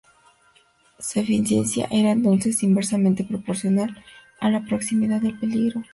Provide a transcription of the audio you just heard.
Su eficiencia era entonces inversamente proporcional a la proximidad del peligro.